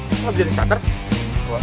kenapa bisa dicatat